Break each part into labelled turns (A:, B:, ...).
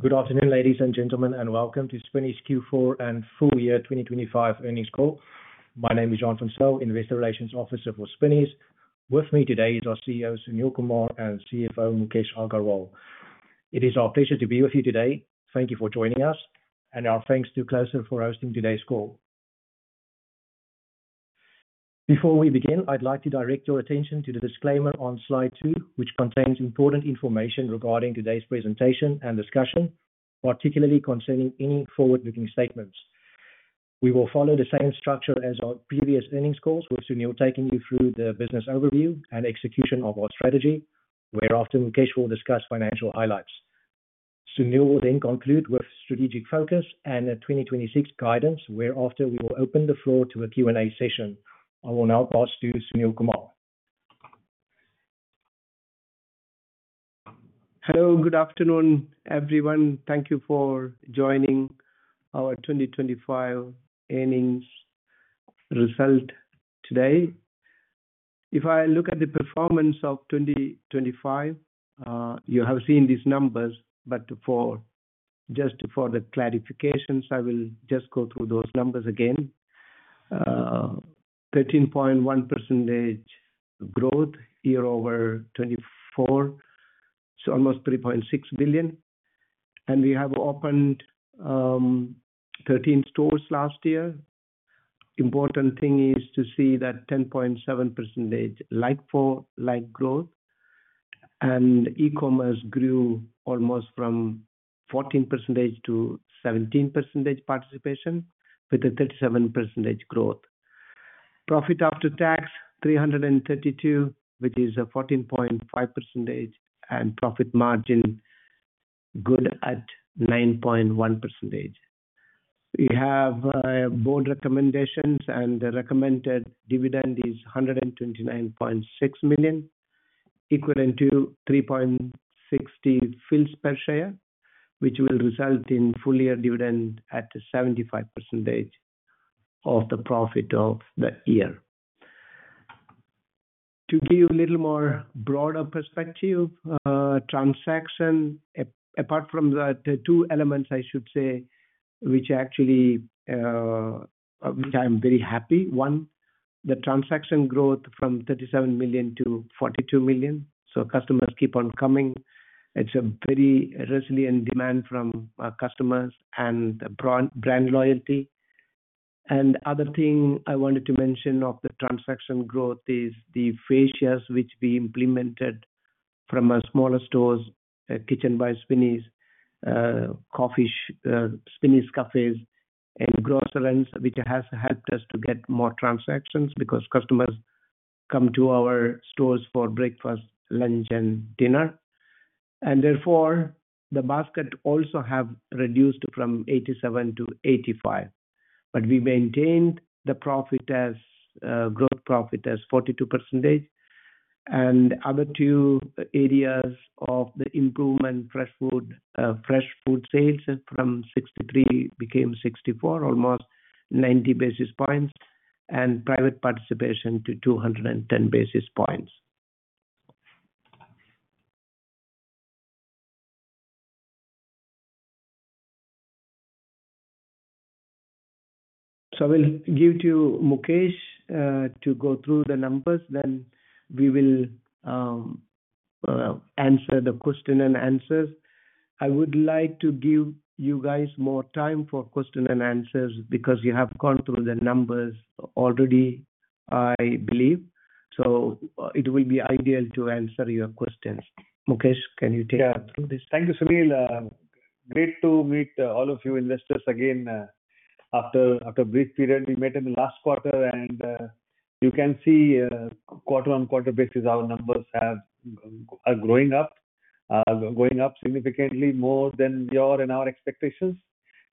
A: Good afternoon, ladies and gentlemen, and welcome to Spinneys Q4 and full year 2025 earnings call. My name Jean-Jacques van Zyl, Investor Relations Officer for Spinneys. With me today is our CEO, Sunil Kumar, and CFO, Mukesh Agarwal. It is our pleasure to be with you today. Thank you for joining us, and our thanks to Klaus for hosting today's call. Before we begin, I'd like to direct your attention to the disclaimer on slide 2, which contains important information regarding today's presentation and discussion, particularly concerning any forward-looking statements. We will follow the same structure as our previous earnings calls, with Sunil taking you through the business overview and execution of our strategy, whereafter Mukesh will discuss financial highlights. Sunil will then conclude with strategic focus and the 2026 guidance, whereafter we will open the floor to a Q&A session. I will now pass to Sunil Kumar.
B: Hello, good afternoon, everyone. Thank you for joining our 2025 earnings result today. If I look at the performance of 2025, you have seen these numbers, but for just the clarifications, I will just go through those numbers again. 13.1% percentage growth year-over-year 2024, so almost 3.6 billion. And we have opened 13 stores last year. Important thing is to see that 10.7% like-for-like growth, and e-commerce grew almost from 14% to 17% participation with a 37% growth. Profit after tax, 332 million, which is a 14.5%, and profit margin good at 9.1%. We have board recommendations, and the recommended dividend is 129.6 million, equivalent to 3.60 fils per share, which will result in full-year dividend at 75% of the profit of the year. To give you a little more broader perspective, transaction apart from the two elements, I should say, which actually which I'm very happy. One, the transaction growth from 37 million-42 million, so customers keep on coming. It's a very resilient demand from our customers and brand, brand loyalty. And other thing I wanted to mention of the transaction growth is the fascias, which we implemented from our smaller stores, Kitchen by Spinneys, coffee- Spinneys Cafés and Grocerants, which has helped us to get more transactions because customers come to our stores for breakfast, lunch, and dinner, and therefore, the basket also have reduced from 87-85. But we maintained the profit as, growth profit as 42%. And other two areas of the improvement, fresh food, fresh food sales from 63 became 64, almost 90 basis points, and private participation to 210 basis points. So I will give to Mukesh, to go through the numbers, then we will, answer the question and answers. I would like to give you guys more time for question and answers because you have gone through the numbers already, I believe. So it will be ideal to answer your questions. Mukesh, can you take us through this?
C: Yeah. Thank you, Sunil. Great to meet all of you investors again after a brief period. We met in the last quarter, and you can see, quarter-on-quarter basis, our numbers have are going up going up significantly more than your and our expectations.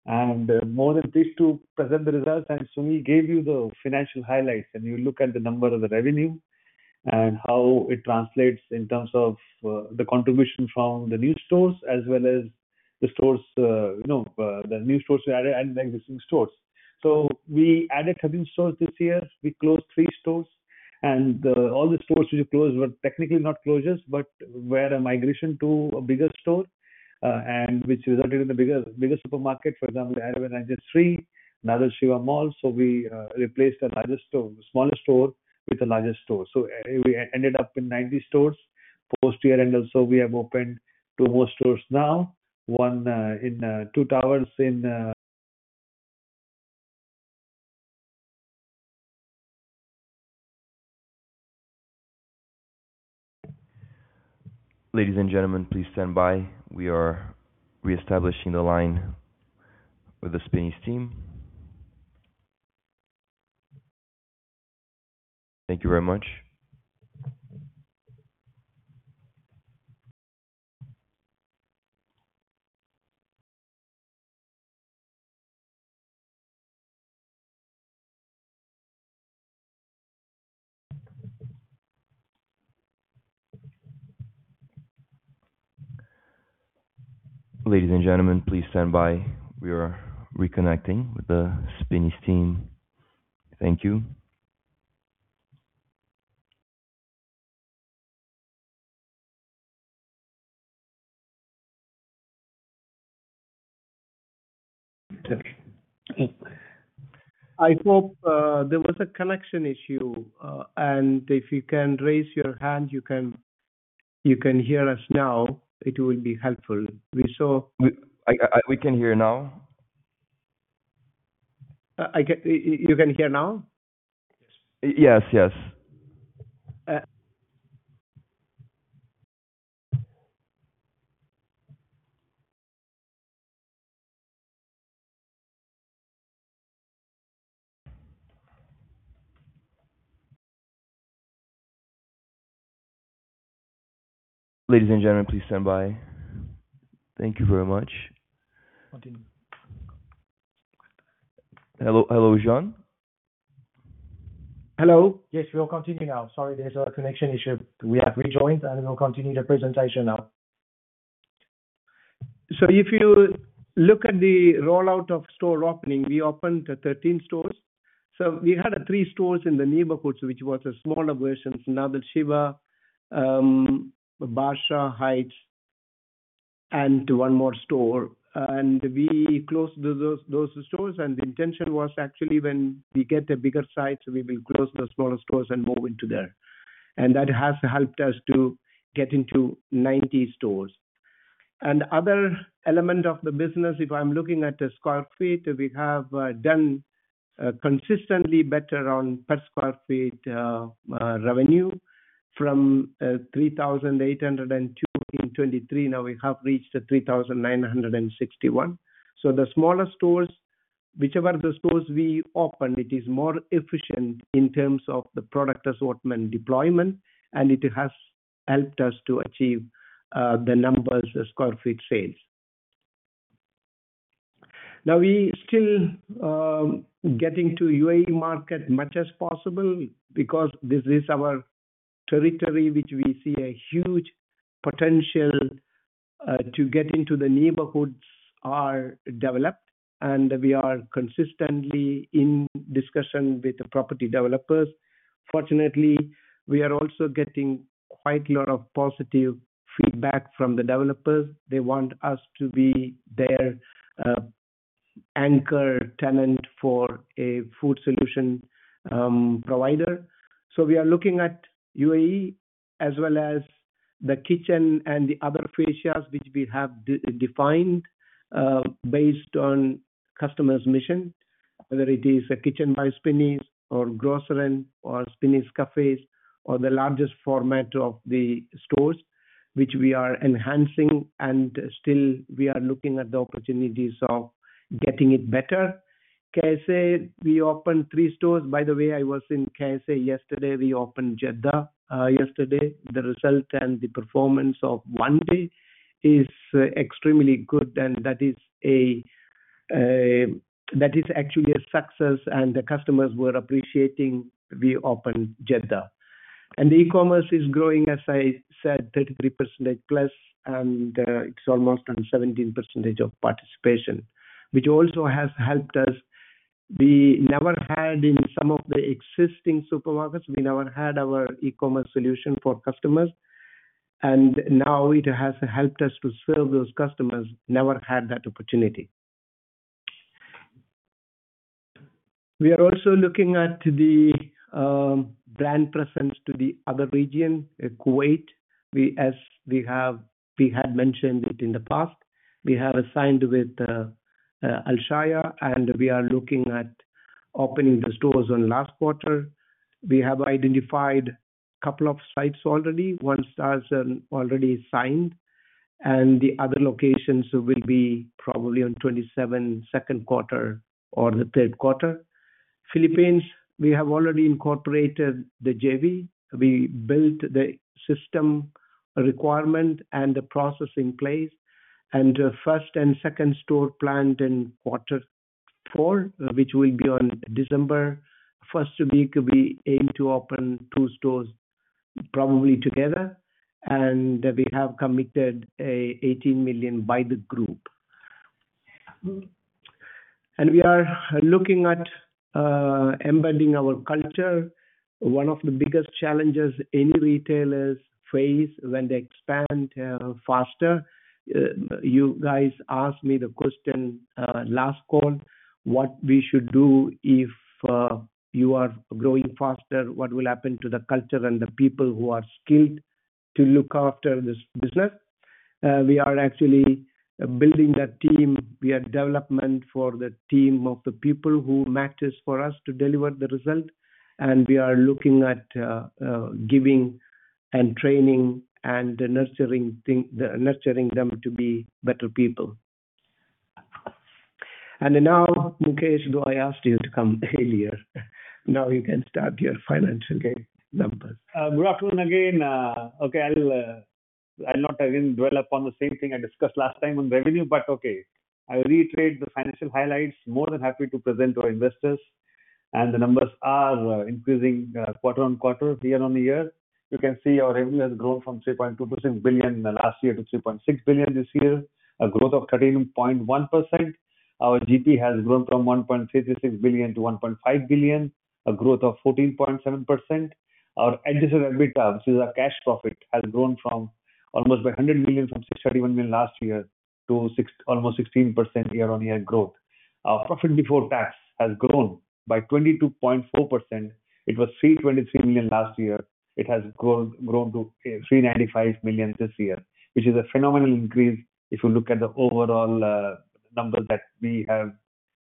C: And more than pleased to present the results, and Sunil gave you the financial highlights, and you look at the number of the revenue and how it translates in terms of the contribution from the new stores as well as the stores the new stores we added and the existing stores. So we added 13 stores this year. We closed 3 stores, and all the stores we closed were technically not closures, but were a migration to a bigger store, and which resulted in the bigger, bigger supermarket, for example, Arabian Ranches 3, another Sheba mall. So we replaced the larger store, smaller store with a larger store. So we ended up in 90 stores post-year, and also we have opened 2 more stores now, one in Twin Towers in-
D: Ladies and gentlemen, please stand by. We are reestablishing the line with the Spinneys team. Thank you very much. Ladies and gentlemen, please stand by. We are reconnecting with the Spinneys team. Thank you.
A: I thought, there was a connection issue, and if you can raise your hand, you can, you can hear us now, it will be helpful. We saw-
D: We can hear now.
A: I can you can hear now?
D: Yes. Yes.
A: Uh-
D: Ladies and gentlemen, please stand by. Thank you very much. Continue. Hello, hello, Jean?
A: Hello. Yes, we'll continue now. Sorry, there's a connection issue. We have rejoined, and we'll continue the presentation now.
B: So if you look at the rollout of store opening, we opened 13 stores. So we had three stores in the neighborhoods, which was a smaller versions, Nad Al Sheba, Barsha Heights, and one more store. And we closed those stores, and the intention was actually when we get a bigger site, we will close the smaller stores and move into there. And that has helped us to get into 90 stores. And other element of the business, if I'm looking at the sq ft, we have done consistently better on per sq ft revenue from 3,802 in 2023, now we have reached 3,961. So the smaller stores, whichever the stores we open, it is more efficient in terms of the product assortment deployment, and it has helped us to achieve the numbers, the square feet sales. Now, we still getting to UAE market much as possible because this is our territory, which we see a huge potential to get into the neighborhoods are developed, and we are consistently in discussion with the property developers. Fortunately, we are also getting quite a lot of positive feedback from the developers. They want us to be their anchor tenant for a food solution provider. So we are looking at UAE as well as The Kitchen and the other fascias, which we have defined, based on customers' mission, whether it is a kitchen by Spinneys or Grocerant or Spinneys Cafés, or the largest format of the stores, which we are enhancing, and still we are looking at the opportunities of getting it better. KSA, we opened three stores. By the way, I was in KSA yesterday. We opened Jeddah yesterday. The result and the performance of one day is extremely good, and that is a, that is actually a success, and the customers were appreciating we opened Jeddah. And the e-commerce is growing, as I said, 33%+, and it's almost on 17% of participation, which also has helped us. We never had in some of the existing supermarkets, we never had our e-commerce solution for customers, and now it has helped us to serve those customers, never had that opportunity. We are also looking at the brand presence to the other region, Kuwait. We, as we had mentioned it in the past, we have assigned with Alshaya, and we are looking at opening the stores on last quarter. We have identified a couple of sites already. One site is already signed, and the other locations will be probably on 2027, second quarter or the third quarter. Philippines, we have already incorporated the JV. We built the system requirement and the process in place, and first and second store planned in quarter four, which will be on December first week. We aim to open 2 stores probably together, and we have committed 18 million by the group. We are looking at embedding our culture. One of the biggest challenges any retailers face when they expand faster. You guys asked me the question last call, what we should do if you are growing faster, what will happen to the culture and the people who are skilled to look after this business? We are actually building that team. We are development for the team of the people who matters for us to deliver the result, and we are looking at giving and training and nurturing thing, nurturing them to be better people. And now, Mukesh, do I ask you to come earlier? Now you can start your financial numbers.
C: Good afternoon again. Okay, I'll not again dwell upon the same thing I discussed last time on revenue, but okay. I'll reiterate the financial highlights. More than happy to present to our investors, and the numbers are increasing, quarter on quarter, year-on-year. You can see our revenue has grown from 3.2 percent billion in the last year to 3.6 billion this year, a growth of 13.1%. Our GP has grown from 1.36 billion to 1.5 billion, a growth of 14.7%. Our adjusted EBITDA, which is our cash profit, has grown from almost by 100 million, from 631 million last year, to 731 almost 16% year-on-year growth. Our profit before tax has grown by 22.4%. It was 323 million last year. It has grown, grown to 395 million this year, which is a phenomenal increase if you look at the overall number that we have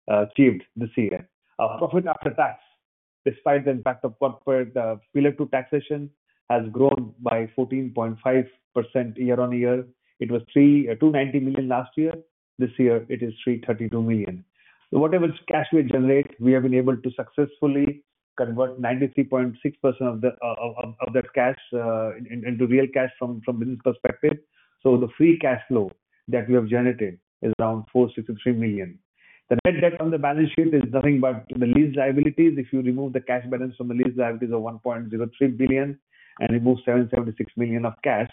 C: achieved this year. Our profit after tax, despite the impact of corporate Pillar Two taxation, has grown by 14.5% year-on-year. It was 329 million last year. This year it is 332 million. So whatever cash we generate, we have been able to successfully convert 93.6% of that cash into real cash from business perspective. So the free cash flow that we have generated is around 463 million. The net debt on the balance sheet is nothing but the lease liabilities. If you remove the cash balance from the lease liabilities of 1.03 billion and remove 776 million of cash,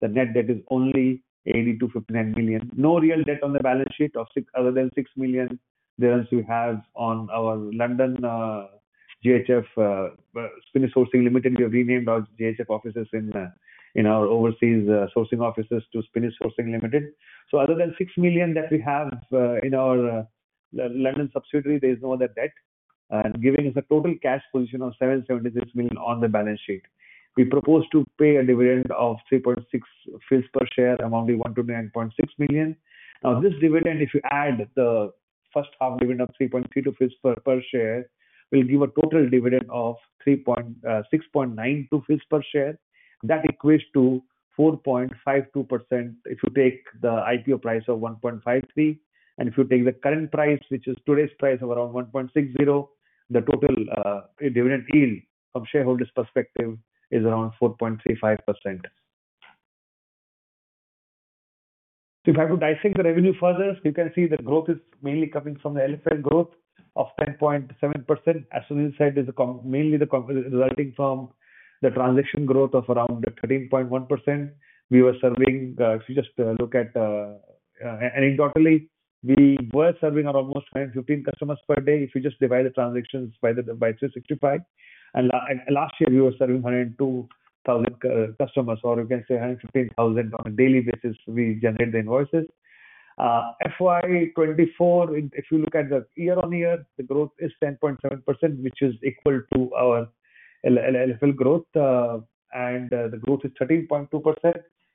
C: the net debt is only 82 million-59 million. No real debt on the balance sheet other than 6 million balance we have on our London, JHF, Spinneys Sourcing Limited. We have renamed our JHF offices in, in our overseas, sourcing offices to Spinneys Sourcing Limited. So other than 6 million that we have, in our, London subsidiary, there is no other debt, giving us a total cash position of 776 million on the balance sheet. We propose to pay a dividend of 3.6 fils per share, amounting to 129.6 million. Now, this dividend, if you add the first half dividend of 0.0332 per share, will give a total dividend of 0.0692 per share. That equates to 4.52% if you take the IPO price of 1.53, and if you take the current price, which is today's price of around 1.60, the total dividend yield from shareholders' perspective is around 4.35%. If I would dissect the revenue further, you can see the growth is mainly coming from the LFL growth of 10.7%. As we said, it's coming mainly from the transaction growth of around 13.1%. We were serving, if you just look at. Totally, we were serving almost 115 customers per day. If you just divide the transactions by 365. Last year, we were serving 102,000 customers, or you can say 115,000 on a daily basis, we generate the invoices. FY 2024, if you look at the year-on-year, the growth is 10.7%, which is equal to our LFL growth, and the growth is 13.2%.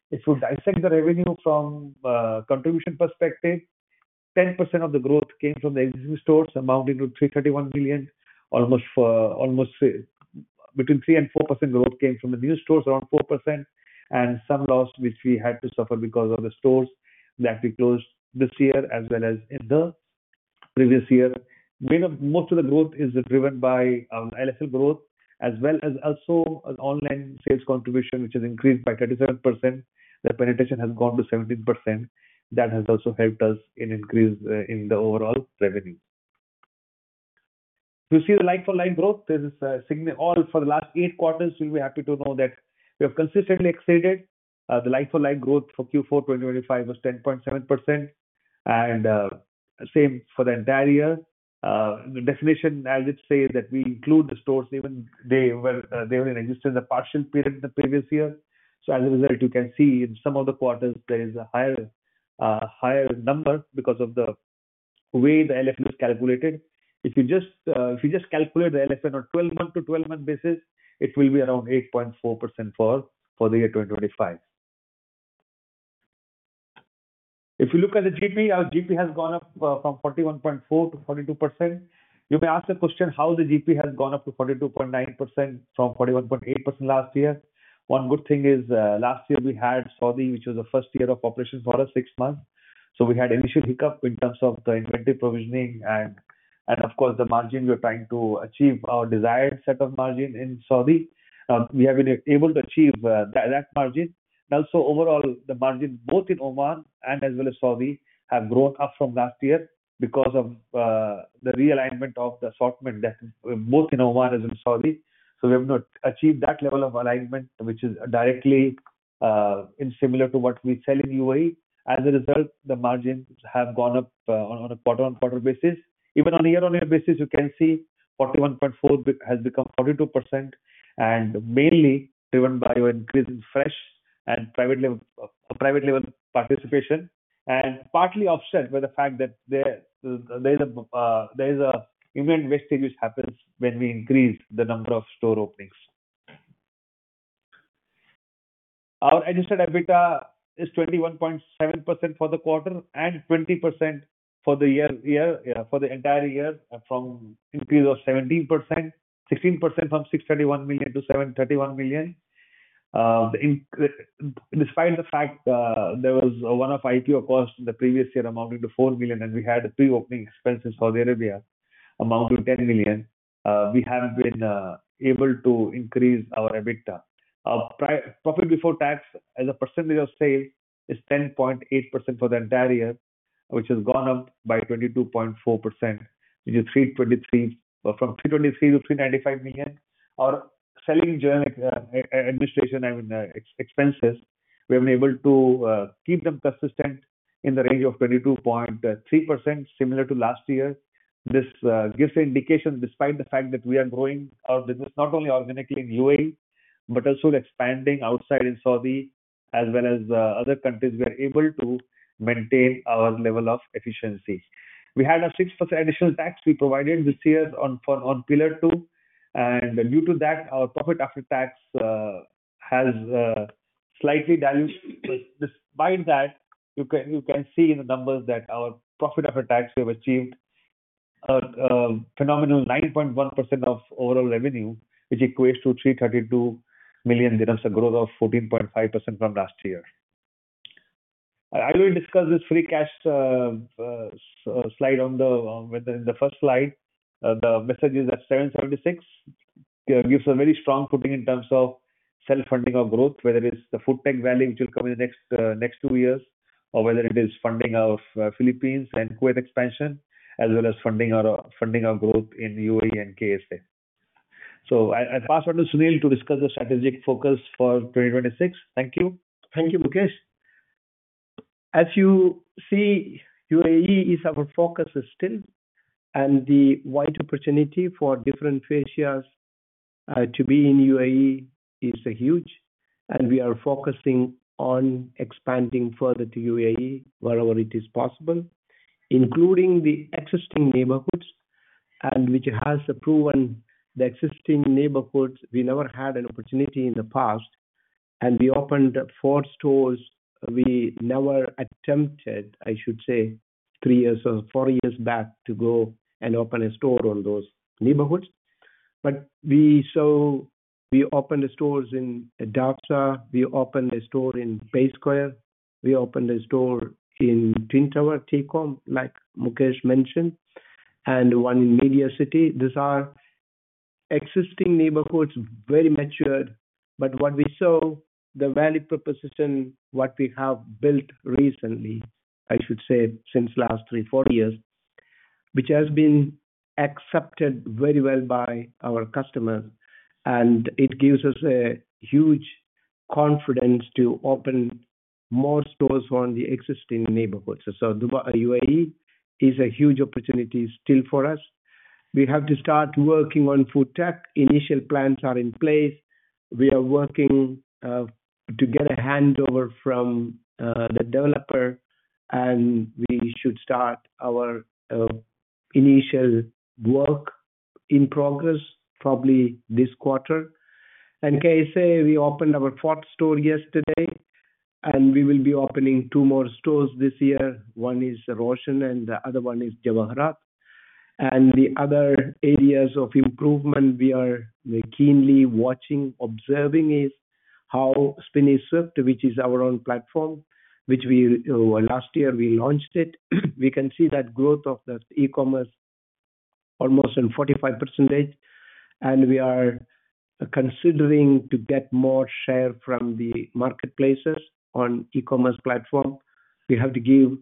C: If you dissect the revenue from contribution perspective, 10% of the growth came from the existing stores, amounting to 331 million. Almost, almost, between 3%-4% growth came from the new stores, around 4%, and some loss, which we had to suffer because of the stores that we closed this year as well as in the previous year. Most of the growth is driven by LFL growth, as well as also an online sales contribution, which has increased by 37%. The penetration has gone to 17%. That has also helped us in increase in the overall revenue. You see the like-for-like growth, this is all for the last eight quarters, you'll be happy to know that we have consistently exceeded. The like-for-like growth for Q4 2025 was 10.7%, and same for the entire year. The definition, as it say, that we include the stores even they were, they only existed in the partial period in the previous year. So as a result, you can see in some of the quarters there is a higher, higher number because of the way the LFL is calculated. If you just, if you just calculate the LFL on twelve-month-to-twelve-month basis, it will be around 8.4% for, for the year 2025. If you look at the GP, our GP has gone up, from 41.4%-42%. You may ask the question, how the GP has gone up to 42.9% from 41.8% last year? One good thing is, last year we had Saudi, which was the first year of operation for us, six months. So we had initial hiccup in terms of the inventory provisioning and, of course, the margin. We're trying to achieve our desired set of margin in Saudi. We have been able to achieve that margin. And also overall, the margin, both in Oman and as well as Saudi, have grown up from last year because of the realignment of the assortment that both in Oman as in Saudi. So we have not achieved that level of alignment, which is directly in similar to what we sell in UAE. As a result, the margins have gone up on a quarter-on-quarter basis. Even on a year-on-year basis, you can see 41.4% has become 42%, and mainly driven by increased fresh and private label participation, and partly offset by the fact that there, there's an event wastage which happens when we increase the number of store openings. Our adjusted EBITDA is 21.7% for the quarter and 20% for the year, for the entire year, from increase of 17%, 16% from 631 million-731 million. Despite the fact, there was a one-off IPO cost in the previous year, amounting to 4 million, and we had pre-opening expenses in Saudi Arabia, amounting to 10 million, we have been able to increase our EBITDA. Our profit before tax, as a percentage of sales, is 10.8% for the entire year, which has gone up by 22.4%, which is 323 million from 323 million to 395 million. Our selling, general and administration, I mean, expenses. We've been able to keep them consistent in the range of 22.3%, similar to last year. This gives an indication, despite the fact that we are growing our business, not only organically in UAE, but also expanding outside in Saudi as well as other countries, we are able to maintain our level of efficiency. We had a 6% additional tax we provided this year on Pillar Two, and due to that, our profit after tax has slightly diluted. Despite that, you can, you can see in the numbers that our profit after tax, we have achieved a phenomenal 9.1% of overall revenue, which equates to 332 million dirhams, a growth of 14.5% from last year. I will discuss this free cash slide on the within the first slide. The message is at 776. It gives a very strong footing in terms of self-funding our growth, whether it's the Foodtech Valley, which will come in the next two years, or whether it is funding of Philippines and Kuwait expansion, as well as funding our, funding our growth in UAE and KSA. So I pass on to Sunil to discuss the strategic focus for 2026. Thank you.
B: Thank you, Mukesh. As you see, UAE is our focus still, and the wide opportunity for different fascias to be in UAE is huge, and we are focusing on expanding further to UAE wherever it is possible, including the existing neighborhoods, and which has proven the existing neighborhoods we never had an opportunity in the past, and we opened up four stores we never attempted, I should say, 3-4 years back, to go and open a store on those neighborhoods. But we saw, we opened the stores in Dausa, we opened a store in Bay Square, we opened a store in Twin Towers, TECOM, like Mukesh mentioned, and one in Media City. These are existing neighborhoods, very matured, but what we saw, the value proposition, what we have built recently, I should say, since last 3, 4 years, which has been accepted very well by our customers, and it gives us a huge confidence to open more stores on the existing neighborhoods. So Dubai, UAE, is a huge opportunity still for us. We have to start working on Foodtech Valley. Initial plans are in place. We are working to get a handover from the developer, and we should start our initial work in progress probably this quarter. In KSA, we opened our fourth store yesterday, and we will be opening 2 more stores this year. One is Roshn, and the other one is Jawharat. The other areas of improvement we are keenly watching, observing, is how Spinneys Swift, which is our own platform, which we last year we launched it. We can see that growth of the e-commerce almost in 45%, and we are considering to get more share from the marketplaces on e-commerce platform. We have to give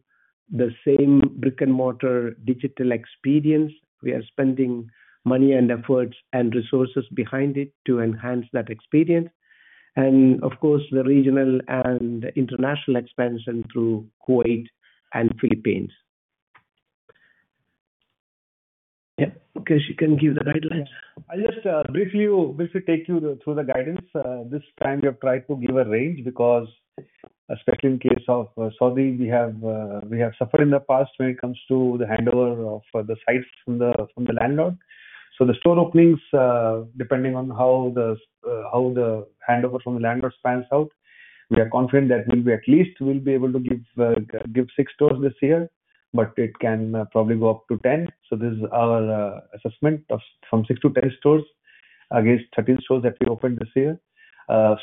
B: the same brick-and-mortar digital experience. We are spending money and efforts and resources behind it to enhance that experience. And of course, the regional and international expansion through Kuwait and Philippines. Yeah, Mukesh, you can give the guidelines.
C: I'll just briefly, briefly take you through the guidance. This time we have tried to give a range because, especially in case of Saudi, we have suffered in the past when it comes to the handover of the sites from the landlord. So the store openings, depending on how the handover from the landlord pans out, we are confident that we'll be at least, we'll be able to give 6 stores this year, but it can probably go up to 10. So this is our assessment of from 6-10 stores, against 13 stores that we opened this year.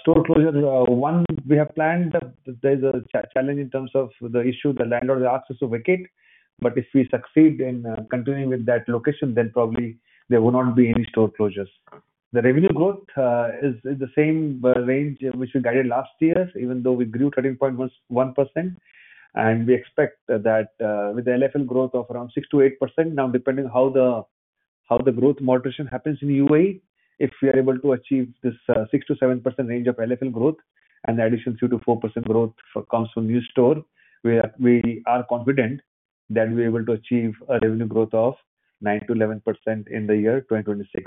C: Store closures, one, we have planned that there's a challenge in terms of the issue, the landlord asks us to vacate, but if we succeed in continuing with that location, then probably there will not be any store closures. The revenue growth is the same range which we guided last year, even though we grew 13.11%, and we expect that with the LFL growth of around 6%-8%, now, depending how the growth moderation happens in UAE, if we are able to achieve this 6%-7% range of LFL growth and addition 3%-4% growth that comes from new store, we are confident that we're able to achieve a revenue growth of 9%-11% in the year 2026.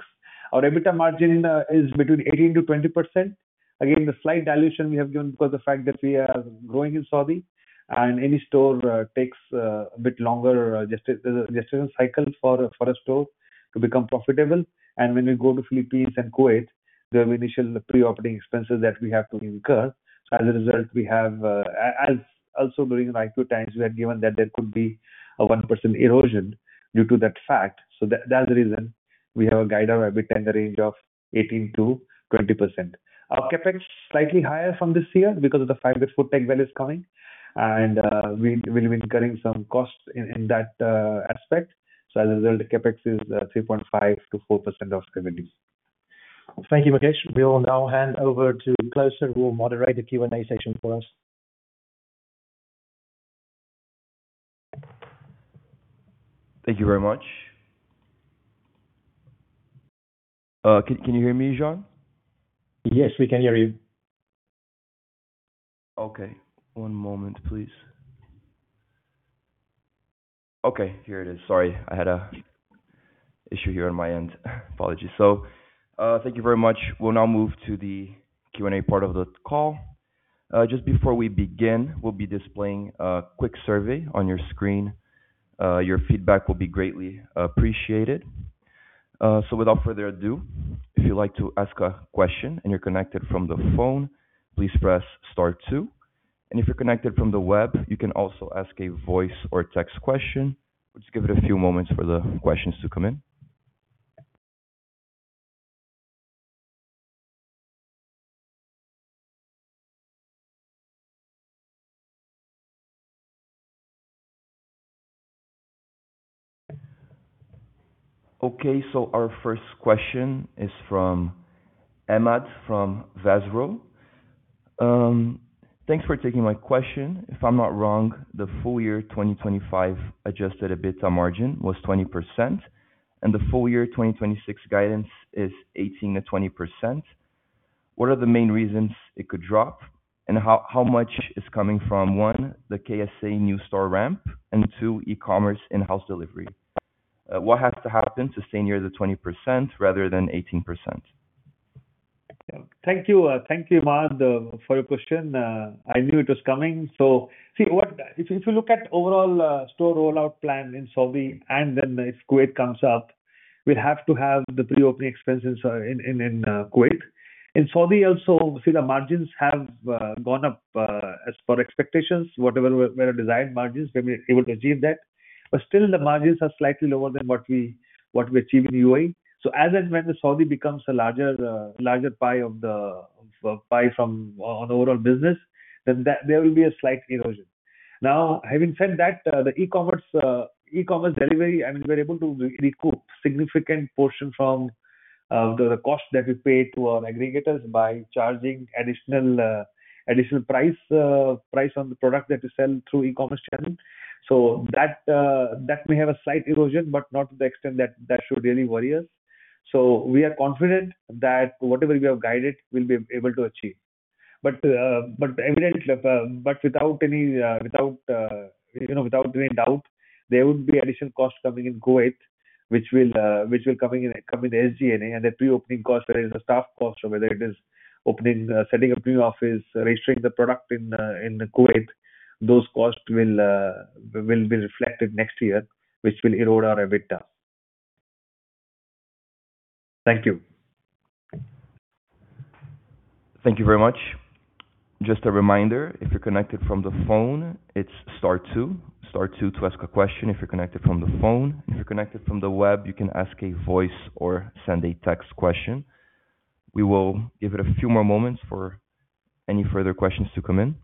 C: Our EBITDA margin is between 18%-20%. Again, the slight dilution we have given because the fact that we are growing in Saudi, and any store takes a bit longer, there's a decision cycle for a store to become profitable. And when we go to Philippines and Kuwait, there are initial pre-operating expenses that we have to incur. So as a result, we have, as also during my two times, we have given that there could be a 1% erosion due to that fact. So that's the reason we have guided our EBITDA in the range of 18%-20%. Our CapEx, slightly higher from this year because of the fact that Foodtech Valley is coming, and we'll be incurring some costs in that aspect. So as a result, the CapEx is 3.5%-4% of revenues.
B: Thank you, Mukesh. We will now hand over to Klaus, who will moderate the Q&A session for us.
D: Thank you very much. Can you hear me, Jean?
A: Yes, we can hear you.
D: Okay, one moment, please. Okay, here it is. Sorry, I had an issue here on my end. Apologies. So, thank you very much. We'll now move to the Q&A part of the call. Just before we begin, we'll be displaying a quick survey on your screen. Your feedback will be greatly appreciated. So without further ado, if you'd like to ask a question and you're connected from the phone, please press star two. And if you're connected from the web, you can also ask a voice or text question. We'll just give it a few moments for the questions to come in. Okay, so our first question is from Emad, from Pharos. "Thanks for taking my question. If I'm not wrong, the full year 2025 adjusted EBITDA margin was 20%, and the full year 2026 guidance is 18%-20%. What are the main reasons it could drop? And how much is coming from, one, the KSA new store ramp and, two, e-commerce in-house delivery? What has to happen to stay near the 20% rather than 18%?"
C: Thank you. Thank you, Emad, for your question. I knew it was coming. So see, what if you, if you look at overall, store rollout plan in Saudi, and then if Kuwait comes up, we have to have the pre-opening expenses, in Kuwait. In Saudi, also, see, the margins have gone up, as per expectations, whatever were desired margins, then we're able to achieve that. But still, the margins are slightly lower than what we achieve in UAE. So as and when the Saudi becomes a larger, larger pie of the pie from on the overall business, then that there will be a slight erosion. Now, having said that, the e-commerce, e-commerce delivery, I mean, we're able to recoup significant portion from the cost that we pay to our aggregators by charging additional additional price price on the product that we sell through e-commerce channel. So that, that may have a slight erosion, but not to the extent that that should really worry us. So we are confident that whatever we have guided, we'll be able to achieve. But, but evidently, but without any doubt, there would be additional costs coming in Kuwait, which will, which will coming in, come in SG&A, and the pre-opening cost, there is a staff cost or whether it is opening, setting up new office, registering the product in, in Kuwait. Those costs will be reflected next year, which will erode our EBITDA. Thank you.
D: Thank you very much. Just a reminder, if you're connected from the phone, it's star two. Star two to ask a question if you're connected from the phone. If you're connected from the web, you can ask a voice or send a text question. We will give it a few more moments for any further questions to come in.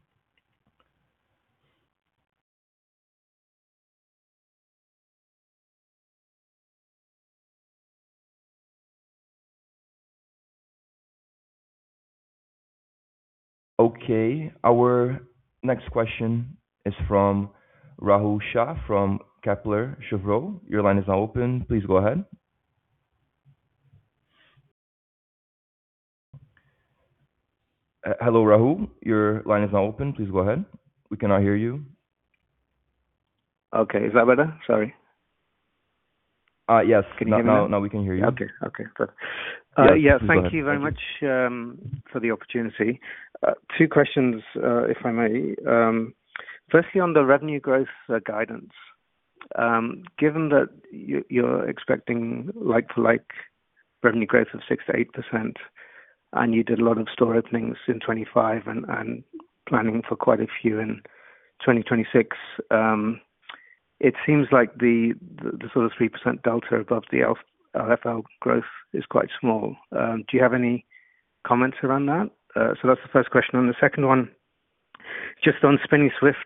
D: Okay, our next question is from Rahul Shah from Kepler Cheuvreux. Your line is now open. Please go ahead. Hello, Rahul, your line is now open. Please go ahead. We cannot hear you.
E: Okay, is that better? Sorry.
D: Yes.
E: Can you hear me now?
D: Now we can hear you.
E: Okay. Okay, good. Uh, yeah.
D: Go ahead.
E: Thank you very much for the opportunity. Two questions, if I may. Firstly, on the revenue growth guidance, given that you're expecting like-for-like revenue growth of 6%-8%, and you did a lot of store openings in 2025 and planning for quite a few in 2026, it seems like the sort of 3% delta above the LFL growth is quite small. Do you have any comments around that? So that's the first question, and the second one, just on Spinneys Swift,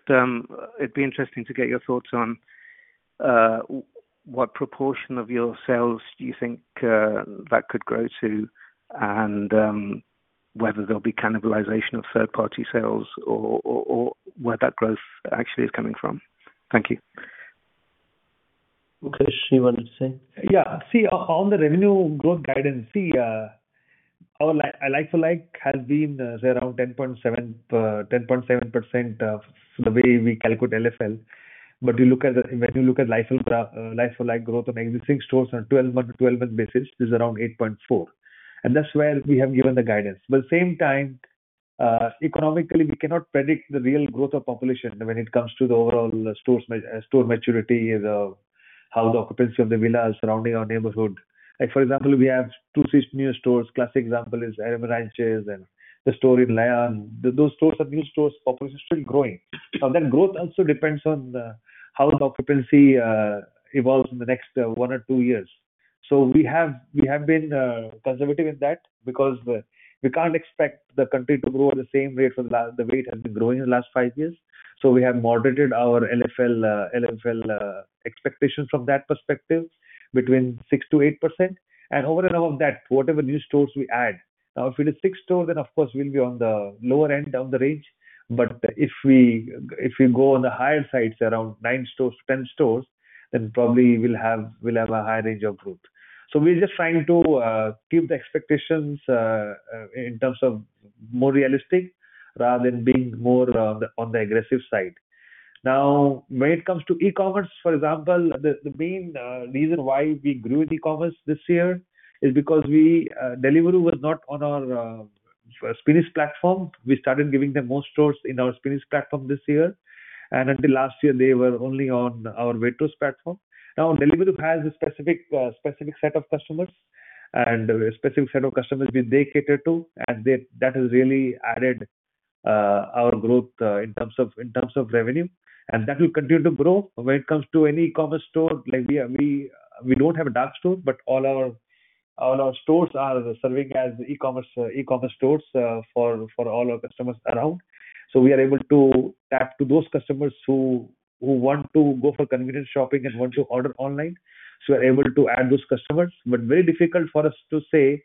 E: it'd be interesting to get your thoughts on what proportion of your sales do you think that could grow to and whether there'll be cannibalization of third-party sales or where that growth actually is coming from? Thank you.
C: Okay, Sunil, what do you say?
B: Yeah, see, on the revenue growth guidance, see, our like, like-for-like has been, say, around 10.7, 10.7%, the way we calculate LFL. But you look at the, when you look at like-for-like growth on existing stores on 12 month-12 month basis, is around 8.4, and that's where we have given the guidance. But at the same time, economically, we cannot predict the real growth of population when it comes to the overall stores, store maturity or how the occupancy of the villa is surrounding our neighborhood. Like, for example, we have two new stores. Classic example is Arabian Ranches and the store in Layan. Those stores are new stores. Population is still growing. Now, then, growth also depends on the, how the occupancy evolves in the next, 1 or 2 years. So we have, we have been conservative in that because, we can't expect the country to grow at the same rate for the last—the way it has been growing in the last 5 years. So we have moderated our LFL, LFL expectations from that perspective between 6%-8% and over and above that, whatever new stores we add. Now, if it is 6 stores, then of course we'll be on the lower end of the range. But if we, if we go on the higher side, say, around 9 stores-10 stores, then probably we'll have a high range of growth. So we're just trying to keep the expectations in terms of more realistic rather than being more on the aggressive side. Now, when it comes to e-commerce, for example, the main reason why we grew in e-commerce this year is because Deliveroo was not on our Spinneys platform. We started giving them more stores in our Spinneys platform this year, and until last year, they were only on our Waitrose platform. Now, Deliveroo has a specific set of customers, and a specific set of customers which they cater to, and that has really added our growth in terms of revenue, and that will continue to grow. When it comes to e-commerce stores, like we are—we don't have a dark store, but all our stores are serving as e-commerce stores for all our customers around. So we are able to tap into those customers who want to go for convenient shopping and want to order online. So we're able to add those customers, but very difficult for us to say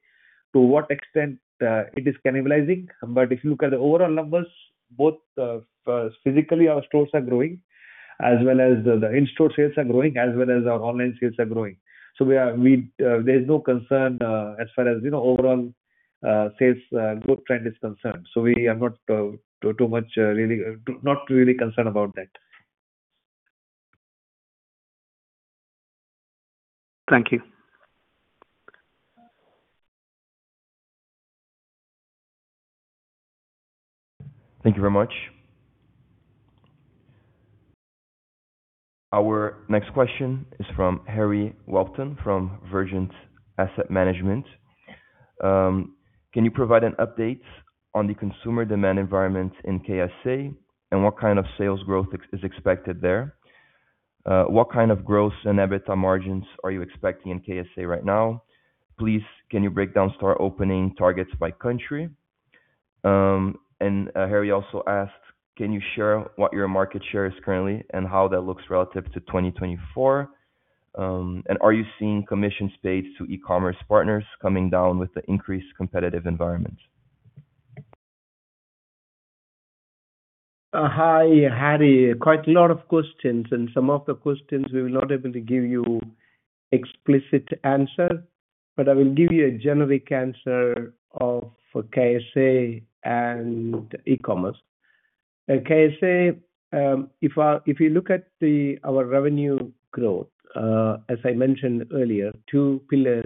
B: to what extent it is cannibalizing. But if you look at the overall numbers, both physically our stores are growing, as well as the in-store sales are growing, as well as our online sales are growing. So we are, there's no concern as far as, you know, overall sales growth trend is concerned. So we are not too much really not really concerned about that.
E: Thank you.
D: Thank you very much. Our next question is from Harry Whelpton, from Vergent Asset Management. "Can you provide an update on the consumer demand environment in KSA, and what kind of sales growth expected there? What kind of growth and EBITDA margins are you expecting in KSA right now? Please, can you break down store opening targets by country?" And, Harry also asked, "Can you share what your market share is currently and how that looks relative to 2024? And are you seeing commission rates to e-commerce partners coming down with the increased competitive environment?"
B: Hi, Harry. Quite a lot of questions, and some of the questions we're not able to give you explicit answer, but I will give you a generic answer of KSA and e-commerce. In KSA, if you look at the, our revenue growth, as I mentioned earlier, two pillars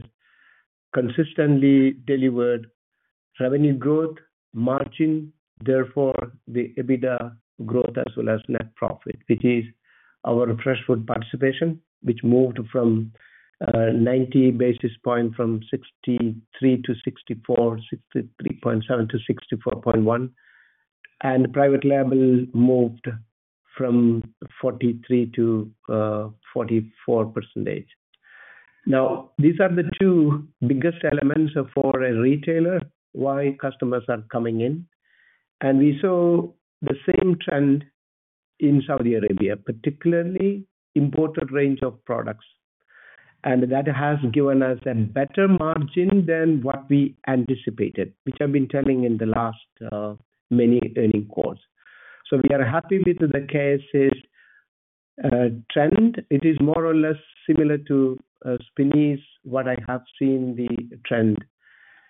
B: consistently delivered revenue growth, margin, therefore the EBITDA growth as well as net profit, which is our fresh food participation, which moved from, 90 basis point, from 63-64, 63.-64.1, and private label moved from 43-44 percentage. Now, these are the two biggest elements for a retailer, why customers are coming in, and we saw the same trend in Saudi Arabia, particularly imported range of products. And that has given us a better margin than what we anticipated, which I've been telling in the last many earnings calls. So we are happy with the KSA trend. It is more or less similar to Spinneys, what I have seen the trend.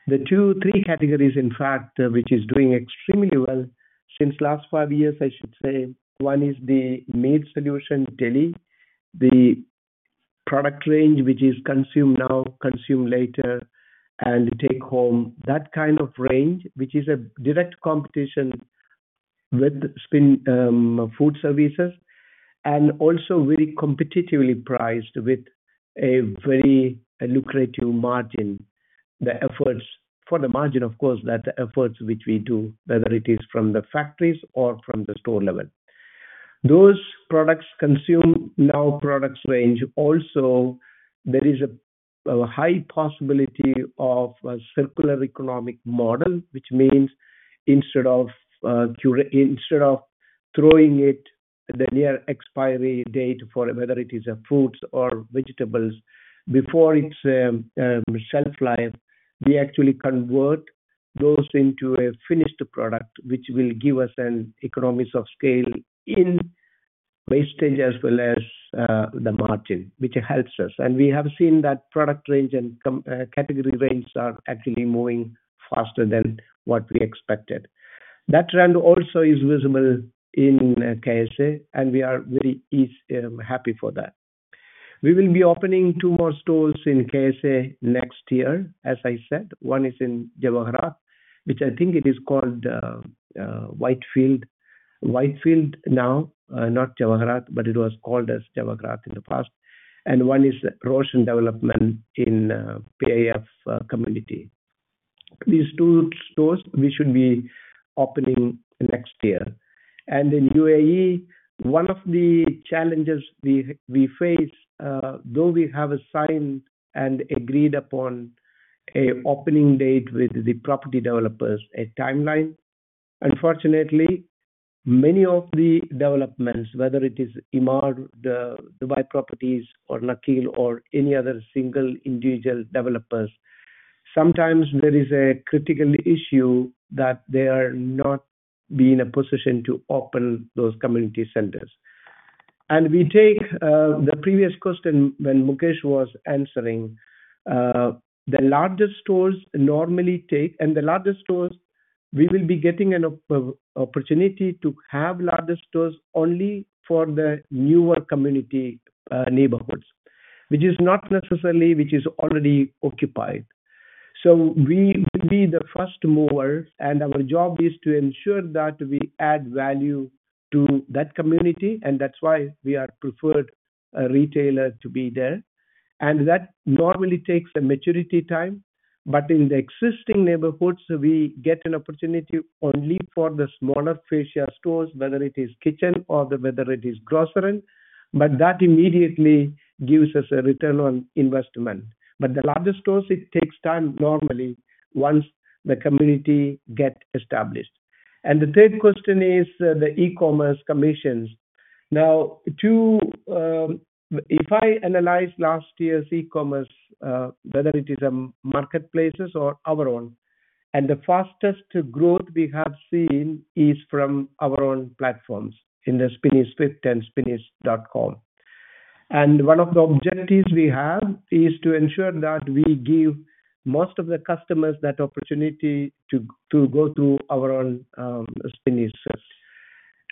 B: The two, three categories, in fact, which is doing extremely well since last five years, I should say, one is the meat solution deli, the product range, which is consume now, consume later, and take home. That kind of range, which is a direct competition with Spinneys food services, and also very competitively priced with a very lucrative margin. The efforts for the margin, of course, that efforts which we do, whether it is from the factories or from the store level. Those products consume now products range. Also, there is a high possibility of a circular economic model, which means instead of throwing it the near expiry date for whether it is a fruits or vegetables, before its shelf life, we actually convert those into a finished product, which will give us an economies of scale in wastage as well as the margin, which helps us. And we have seen that product range and category range are actually moving faster than what we expected. That trend also is visible in KSA, and we are very happy for that. We will be opening two more stores in KSA next year. As I said, one is in Jawharat, which I think it is called, Whitefield. Whitefield now, not Jawharat, but it was called as Jawharat in the past, and one is Roshn Development in PAF community. These two stores, we should be opening next year. And in UAE, one of the challenges we face, though we have signed and agreed upon an opening date with the property developers, a timeline, unfortunately, many of the developments, whether it is Emaar, the Dubai Properties, or Nakheel, or any other single individual developers, sometimes there is a critical issue that they are not in a position to open those community centers. And we take the previous question when Mukesh was answering, the larger stores normally take and the larger stores, we will be getting an opportunity to have larger stores only for the newer community neighborhoods, which is not necessarily already occupied. So we will be the first mover, and our job is to ensure that we add value to that community, and that's why we are preferred retailer to be there. And that normally takes a maturity time, but in the existing neighborhoods, we get an opportunity only for the smaller fascia stores, whether it is kitchen or whether it is grocery, but that immediately gives us a return on investment. But the larger stores, it takes time normally once the community get established. And the third question is the e-commerce commissions. Now, if I analyze last year's e-commerce, whether it is marketplaces or our own, and the fastest growth we have seen is from our own platforms in the Spinneys Swift and spinneys.com. One of the objectives we have is to ensure that we give most of the customers that opportunity to go to our own Spinneys.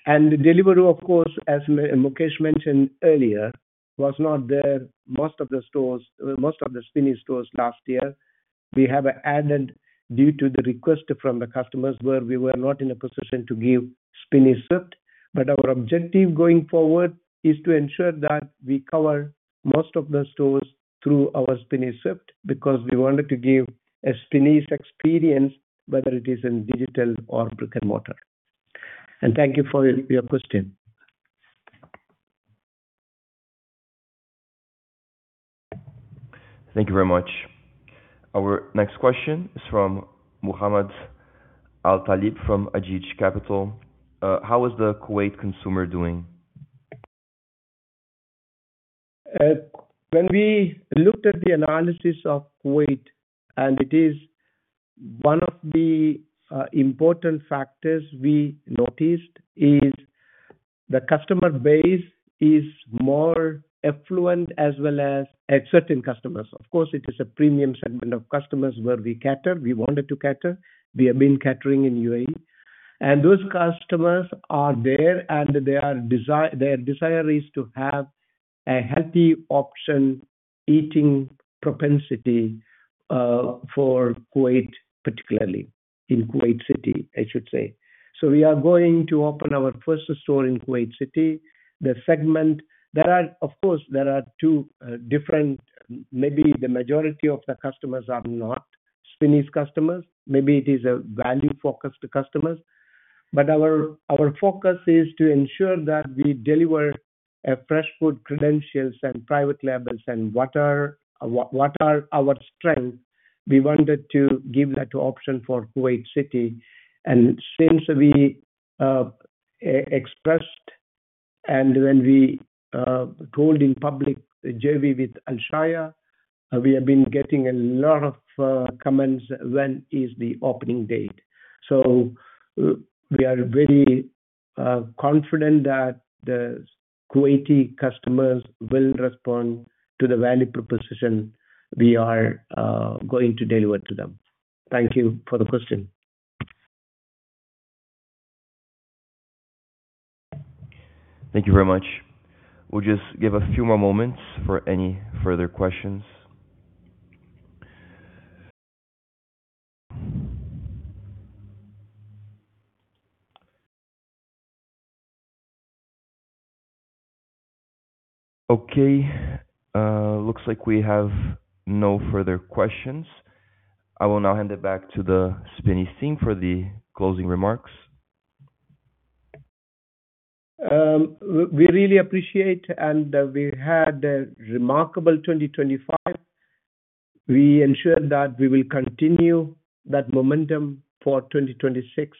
B: And Deliveroo, of course, as Mukesh mentioned earlier, was not there. Most of the stores, most of the Spinneys stores last year, we have added due to the request from the customers, where we were not in a position to give Spinneys Swift. But our objective going forward is to ensure that we cover most of the stores through our Spinneys Swift, because we wanted to give a Spinneys experience, whether it is in digital or brick-and-mortar. And thank you for your question.
D: Thank you very much. Our next question is from Mohammed Al-Talib from Ajeej Capital. "How is the Kuwait consumer doing?"
B: When we looked at the analysis of Kuwait, and it is one of the important factors we noticed, is the customer base is more affluent as well as certain customers. Of course, it is a premium segment of customers where we cater, we wanted to cater, we have been catering in UAE. And those customers are there, and they are their desire is to have a healthy option eating propensity for Kuwait, particularly in Kuwait City, I should say. So we are going to open our first store in Kuwait City. The segment. There are, of course, there are two different. Maybe the majority of the customers are not Spinneys customers, maybe it is a value-focused customers. But our focus is to ensure that we deliver fresh food credentials and private labels, and what are our strength, we wanted to give that option for Kuwait City. And since we expressed and when we told in public, the JV with Alshaya, we have been getting a lot of comments: When is the opening date? So we are very confident that the Kuwaiti customers will respond to the value proposition we are going to deliver to them. Thank you for the question.
D: Thank you very much. We'll just give a few more moments for any further questions. Okay, looks like we have no further questions. I will now hand it back to the Spinneys team for the closing remarks.
B: We really appreciate, and we had a remarkable 2025. We ensure that we will continue that momentum for 2026.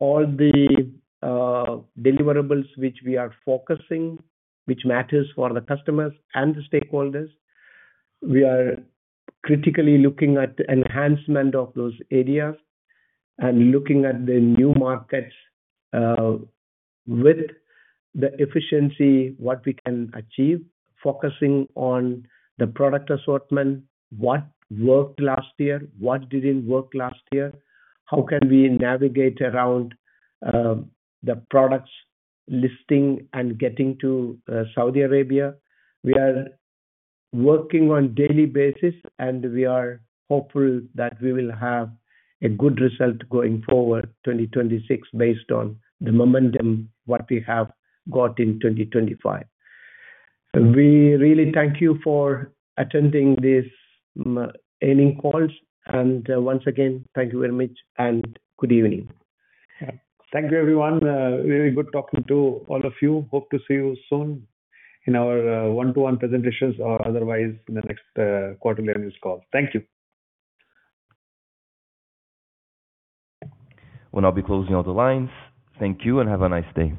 B: All the deliverables which we are focusing, which matters for the customers and the stakeholders, we are critically looking at enhancement of those areas and looking at the new markets, with the efficiency, what we can achieve, focusing on the product assortment, what worked last year, what didn't work last year, how can we navigate around the products listing and getting to Saudi Arabia? We are working on daily basis, and we are hopeful that we will have a good result going forward, 2026, based on the momentum what we have got in 2025. We really thank you for attending this earnings call, and once again, thank you very much and good evening.
A: Thank you, everyone. Very good talking to all of you. Hope to see you soon in our one-to-one presentations or otherwise, in the next quarterly earnings call. Thank you.
D: We'll now be closing all the lines. Thank you, and have a nice day.